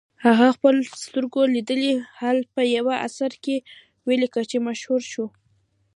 هغه خپل سترګو لیدلی حال په یوه اثر کې ولیکه چې مشهور شو.